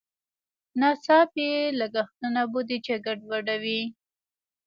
ناڅاپي لګښتونه بودیجه ګډوډوي.